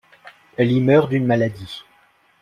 Elle y meurt d'une maladie.